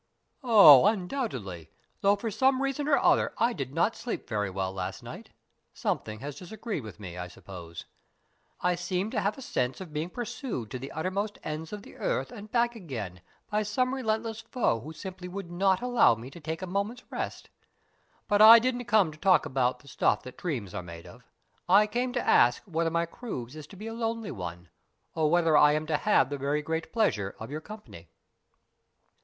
"Oh, undoubtedly, though for some reason or other I did not sleep very well last night. Something had disagreed with me, I suppose. I seemed to have a sense of being pursued to the uttermost ends of the earth and back again by some relentless foe who simply would not allow me to take a moment's rest. But I didn't come to talk about the stuff that dreams are made of. I came to ask whether my cruise is to be a lonely one, or whether I am to have the very great pleasure of your company."